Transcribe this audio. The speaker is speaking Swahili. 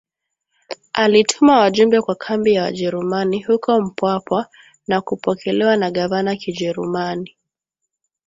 alituma wajumbe kwa kambi ya Wajerumani huko Mpwapwa na kupokelewa na gavana kijerumani